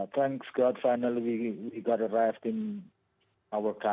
terima kasih tuhan akhirnya kita dapat kembali ke negara kita